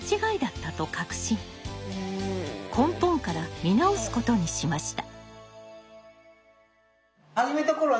根本から見直すことにしました。